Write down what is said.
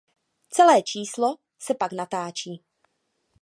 Celé číslo se pak natáčí.